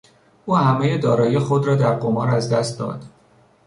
او همهی دارایی خود را در قمار از دست داد.